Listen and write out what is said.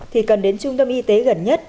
thì cần đến trung tâm y tế gần nhất